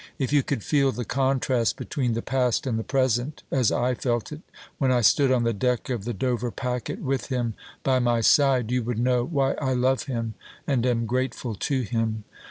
If you could feel the contrast between the past and the present as I felt it when I stood on the deck of the Dover packet with him by my side, you would know why I love him, and am grateful to him.